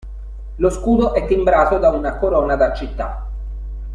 Lo scudo è timbrato da una corona da città.